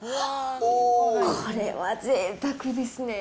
これはぜいたくですね。